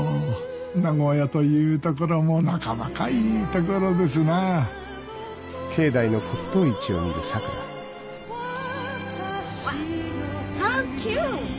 名古屋というところもなかなかいいところですなあワオハウキュート。